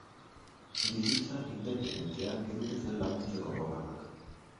Bizitza independentea edukitzen laguntzeko programak.